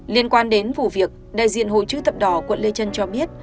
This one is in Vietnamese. liên quan đến vụ việc đại diện hội chứ tập đỏ quận lê trân cho biết